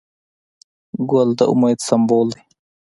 ګل د امید سمبول دی.